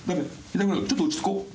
板倉君ちょっと落ち着こう。